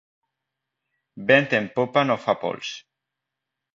Vent en popa no fa pols.